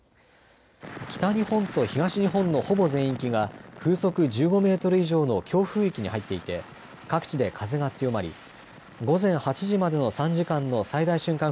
北日本と東日本のほぼ全域が風速１５メートル以上の強風域に入っていて、各地で風が強まり、午前８時までの３時間の最大瞬間